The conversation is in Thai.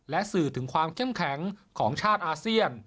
และสื่อถึงความเข้มแข็งของชาติอาเซียน